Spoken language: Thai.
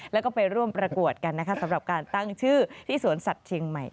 แล้วก็ไปร่วมประกวดกันนะคะสำหรับการตั้งชื่อที่สวนสัตว์เชียงใหม่